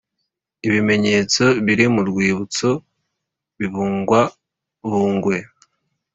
ibimenyetso biri mu rwibutso bibungabungwe